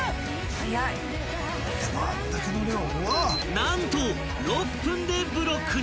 ［何と６分でブロックに！］